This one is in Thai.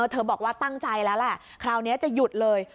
เธอบอกว่าตั้งใจแล้วแหละคราวนี้จะหยุดเลย